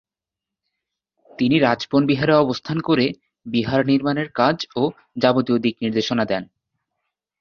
তিনি রাজবন বিহারে অবস্থান করে বিহার নির্মাণের কাজ ও যাবতীয় দিক-নির্দেশনা দেন।